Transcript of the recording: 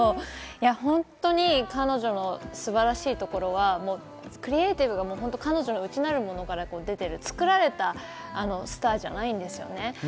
本当に彼女の素晴らしいところはクリエイティブが彼女の内なるものから出ている作られたスターじゃないんですよね。